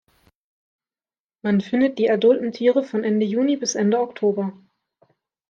Man findet die adulten Tiere von Ende Juni bis Ende Oktober.